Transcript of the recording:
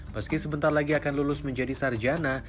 meski sebentar lagi akan lulus menjadi sarjana